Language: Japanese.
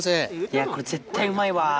いやこれ絶対うまいわ。